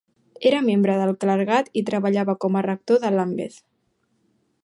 Era membre del clergat i treballava com a Rector de Lambeth.